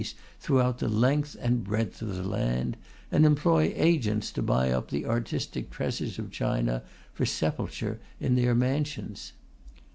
's throughout the length and breadth of the land, and employ agents to buy up the artistic treasures of China for sepulture in their mansions.